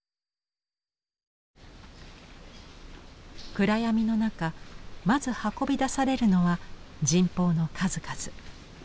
暗闇の中まず運び出されるのは神宝の数々。